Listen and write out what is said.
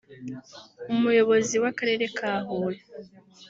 Umuyobozi w’akarere ka Huye